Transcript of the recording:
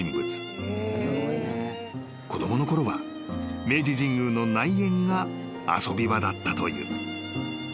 ［子供のころは明治神宮の内苑が遊び場だったという］